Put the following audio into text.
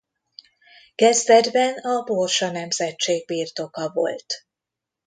Kezdetben a Borsa nemzetség birtoka volt.